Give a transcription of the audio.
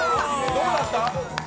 どうだった？